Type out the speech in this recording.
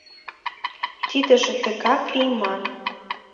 Тидыже тыгак лийман.